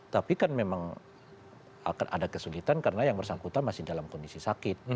tapi kan memang akan ada kesulitan karena yang bersangkutan masih dalam kondisi sakit